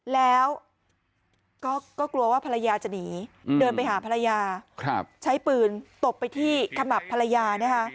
แล้วก็กลัวว่าภรรยาจะหนีเดินไปหาภรรยาใช้ปืนตบไปที่ขมับภรรยานะคะ